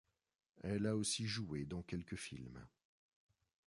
Elle a aussi joué dans quelques films.